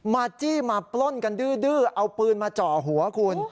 จี้มาปล้นกันดื้อเอาปืนมาเจาะหัวคุณ